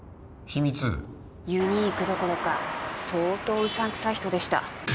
ユニークどころか相当うさんくさい人でした。